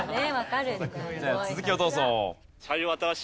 続きをどうぞ。